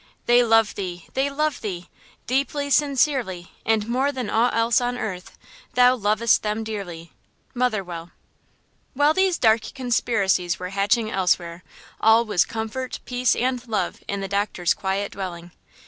They love thee! they love thee! Deeply, sincerely; And more than aught else on earth Thou lovest them dearly! –MOTHERWELL. While these dark conspiracies were hatching elsewhere, all was comfort, peace and love in the doctor's quiet dwelling.